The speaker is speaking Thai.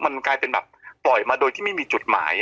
มันกลายเป็นแบบปล่อยมาโดยที่ไม่มีจุดหมาย